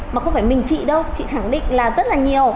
mà không phải mình chị đâu chị khẳng định là rất là nhiều